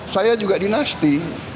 saya juga dinasti